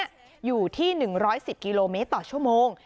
อยู่ที่๑๑๐กิโลเมตรต่อชั่วโมง